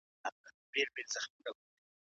له نغري څخه مړ مړ لوګی پورته کېږي.